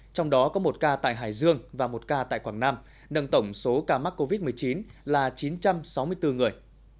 trong đó có một ca tại hải dương và một ca tại quảng nam nâng tổng số ca mắc covid một mươi chín là chín trăm sáu mươi bốn người